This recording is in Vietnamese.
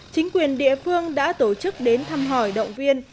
chính quyền địa phương đã tổ chức đến thăm hỏi động viên